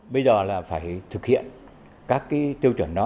bây giờ là phải thực hiện các cái tiêu chuẩn đó